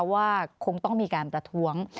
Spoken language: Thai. ว่าคงต้องมีการประท้วง